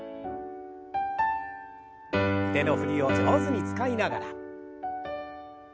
腕の振りを上手に使いながら。